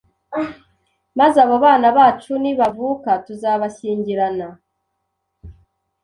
maze abo bana bacu nibavuka tuzabashyingirana